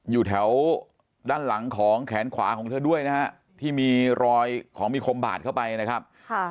อยู่แถวด้านหลังของแขนขวาของเธอด้วยนะฮะที่มีรอยของมีคมบาดเข้าไปนะครับ